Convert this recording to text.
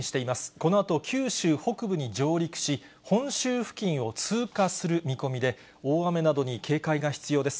このあと九州北部に上陸し、本州付近を通過する見込みで、大雨などに警戒が必要です。